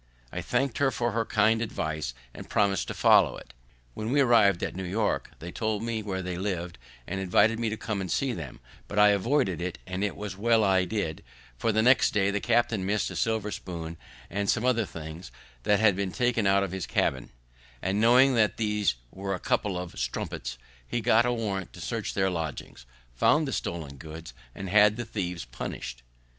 I thank'd her for her kind advice, and promis'd to follow it. When we arriv'd at New York, they told me where they liv'd, and invited me to come and see them; but I avoided it, and it was well I did; for the next day the captain miss'd a silver spoon and some other things, that had been taken out of his cabin, and, knowing that these were a couple of strumpets, he got a warrant to search their lodgings, found the stolen goods, and had the thieves punish'd.